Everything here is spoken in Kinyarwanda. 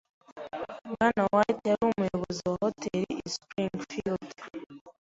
Bwana White yari umuyobozi wa hoteri i Springfield.